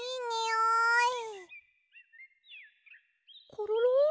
コロロ！